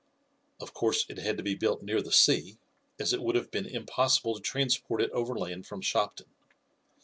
Of course it had to be built near the sea, as it would have been impossible to transport it overland from Shopton.